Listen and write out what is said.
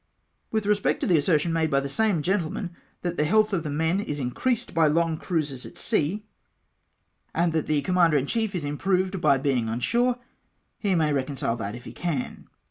'With respect to the assertion made by the same gentle man, that the health of the men is increased by long cruises NAVAL ABUSES. 231 at sea, aud tliat of the Commander in chief is improved by being on shore, he may reconcile that if he can.